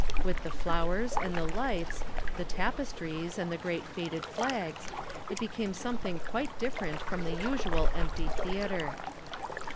With the flowers and the lights, the tapestries and the great faded flags, it became something quite different from the usual empty theater.